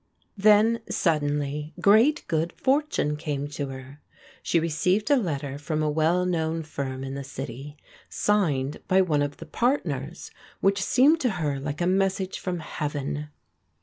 Then, suddenly, great good fortune came to her. She received a letter from a well known firm in the city, signed by one of the partners, which seemed to her like a message from heaven.